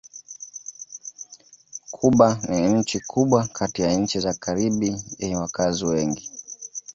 Kuba ni nchi kubwa kati ya nchi za Karibi yenye wakazi wengi.